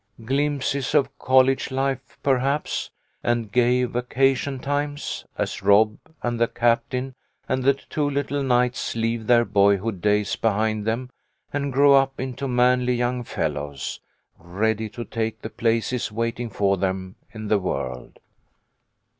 Glimpses of college life, perhaps, and gay vacation times, as Rob and the captain and the two little knights leave their boy hood days behind them and grow up into manly young fellows, ready to take the places waiting for them in the world.